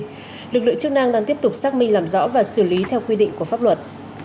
hiện lực lượng chức năng đang tiếp tục xác minh làm rõ và xử lý theo quy định của pháp luật